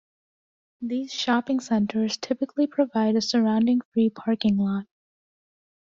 These shopping centres typically provide a surrounding free parking lot.